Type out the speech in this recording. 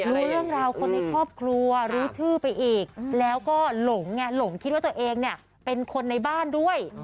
รู้เรื่องราวคนในครอบครัวรู้ชื่อไปอีกแล้วก็หลงไงหลงคิดว่าตัวเองเนี่ยเป็นคนในบ้านด้วย